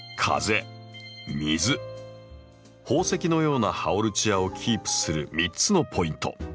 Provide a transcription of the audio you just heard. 宝石のようなハオルチアをキープする３つのポイント